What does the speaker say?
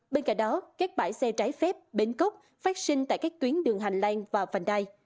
bên cạnh đó các bãi xe trái phép bến cốc phát sinh tại các tuyến đường hành lang và vành đai